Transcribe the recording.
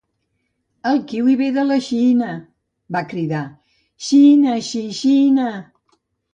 El kiwi ve de la Xina! —va cridar— Xina xixina!